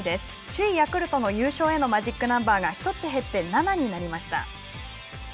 首位ヤクルトの優勝へのマジックナンバーが１つ減って７になりました。